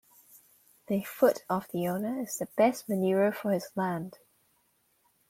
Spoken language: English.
The foot of the owner is the best manure for his land.